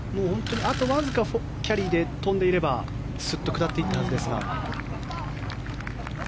あとわずかキャリーで飛んでいれば下って行ったはずですが。